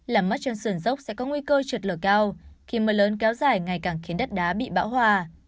làm mất trên sườn dốc sẽ có nguy cơ trượt lở cao khi mưa lớn kéo dài ngày càng khiến đất đá bị bão hòa